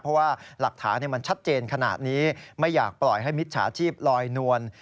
เพราะว่าหลักฐานมันชัดเจนขนาดนี้ไม่อยากปล่อยให้มิจฉาชีพลอยนวล